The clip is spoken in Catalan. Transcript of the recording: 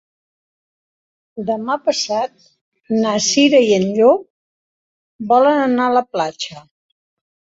Demà passat na Cira i en Llop volen anar a la platja.